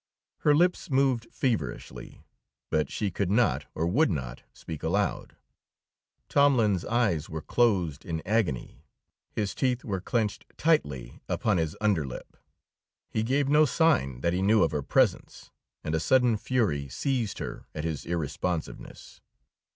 Her lips moved feverishly, but she could not or would not speak aloud. Tomlin's eyes were closed in agony, his teeth were clenched tightly upon his under lip; he gave no sign that he knew of her presence. And a sudden fury seized her at his irresponsiveness.